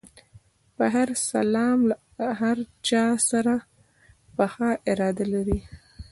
په هر سلام له هر چا سره پخه اراده لري.